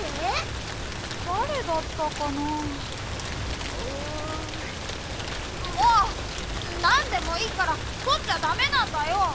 だれだったかなう。もうっなんでもいいからとっちゃダメなんだよ！